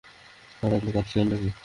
আরে, আপনি কাঁদছিলেন নাকি?